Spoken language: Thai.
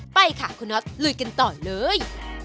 ไปค่ะคุณฮอล์ฟเร็วร่อยกันต่อเลย